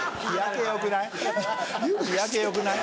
日焼けよくない？